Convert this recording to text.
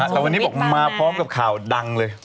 แต่วันนี้บอกมาพร้อมกับข่าวดังเลย